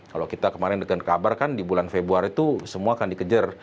kalau kita kemarin dengan kabar kan di bulan februari itu semua akan dikejar